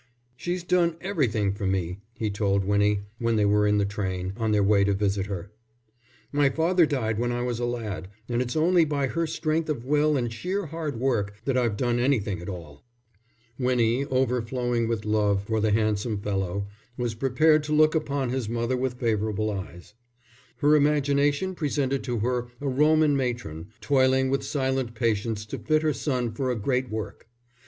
"She's done everything for me," he told Winnie, when they were in the train, on their way to visit her. "My father died when I was a lad, and it's only by her strength of will and sheer hard work that I've done anything at all." Winnie, overflowing with love for the handsome fellow, was prepared to look upon his mother with favourable eyes. Her imagination presented to her a Roman matron, toiling with silent patience to fit her son for a great work.